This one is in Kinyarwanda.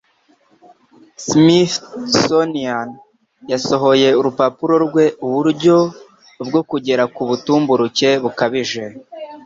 Smithsonian yasohoye urupapuro rwe "Uburyo bwo kugera ku butumburuke bukabije"